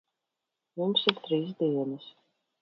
Jums ir trīs dienas.